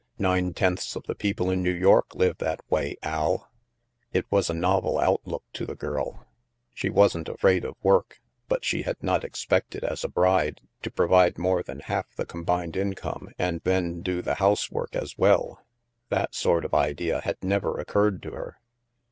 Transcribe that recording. Nine tenths of the people in New York live that way, Al." It was a novel outlook to the girl. She wasn't 128 THE MASK afraid of work, but she had not expected, as a bride, to provide more than half the combined income and then do the housework as well That sort of idea had never occurred to her.